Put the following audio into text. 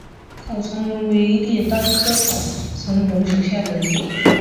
草苁蓉为列当科草苁蓉属下的一个种。